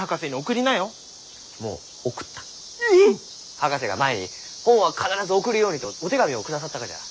博士が前に本は必ず送るようにとお手紙を下さったがじゃ。